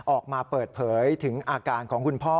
ออกมาเปิดเผยถึงอาการของคุณพ่อ